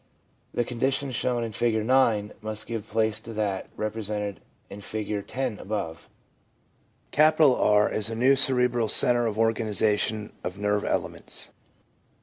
The condition shown in Figure 9 must give place to that repre sented in Figure 10 above. R is a new cerebral centre of organisation of nerve elements.